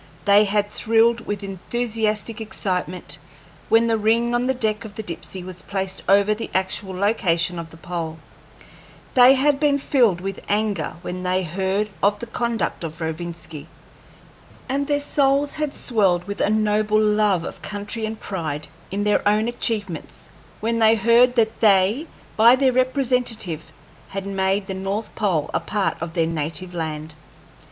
They had thrilled with enthusiastic excitement when the ring on the deck of the Dipsey was placed over the actual location of the pole; they had been filled with anger when they heard of the conduct of Rovinski; and their souls had swelled with a noble love of country and pride in their own achievements when they heard that they, by their representative, had made the north pole a part of their native land.